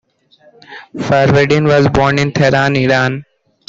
Farvardin was born in Tehran, Iran.